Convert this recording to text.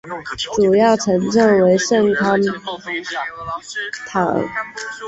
主要城镇为圣康坦。